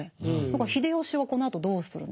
秀吉はこのあとどうするんですか？